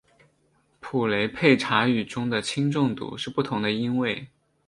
普雷佩查语中的轻重读是不同的音位。